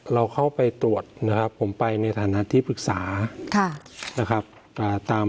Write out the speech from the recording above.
เราเข้าไปตรวจผมไปในฐานทีปรึกษา